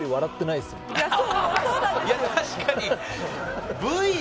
いや確かに。